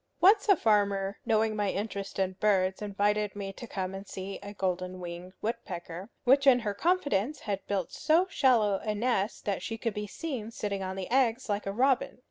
Once a farmer, knowing my interest in birds, invited me to come and see a golden winged woodpecker, which in her confidence had built so shallow a nest that she could be seen sitting on the eggs like a robin.